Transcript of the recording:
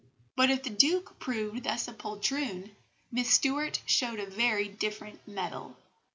But if the Duke proved thus a poltroon, Miss Stuart showed a very different metal.